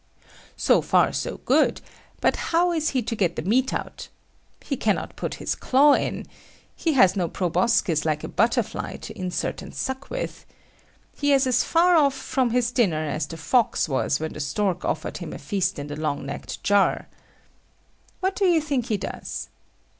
So far, so good: but how is he to get the meat out? He cannot put his claw in. He has no proboscis like a butterfly to insert and suck with. He is as far off from his dinner as the fox was when the stork offered him a feast in a long necked jar. What then do you think he does?